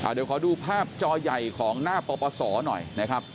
เดี๋ยวขอดูภาพจอใหญ่ของหน้าปปศหน่อยนะครับ